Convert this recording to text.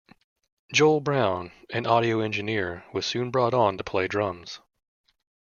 Joel Brown, an audio engineer, was soon brought on to play drums.